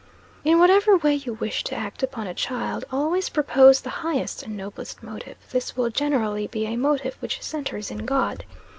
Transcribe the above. In whatever way you wish to act upon a child, always propose the highest and noblest motive this will generally be a motive which centres in God.